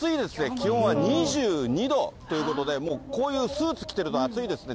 気温は２２度ということで、もうこういうスーツ着てると暑いですね。